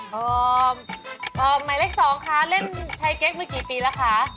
หมายเลข๒ค่ะเล่นไทเก๊กเมื่อกี่ปีแล้วคะ